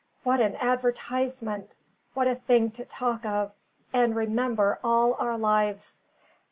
What an advertisement! what a thing to talk of, and remember all our lives!